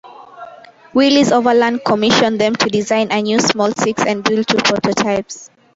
Willys-Overland commissioned them to design a new small six and build two prototypes.